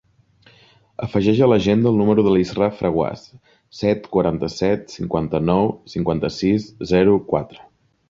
Afegeix a l'agenda el número de l'Israa Fraguas: set, quaranta-set, cinquanta-nou, cinquanta-sis, zero, quatre.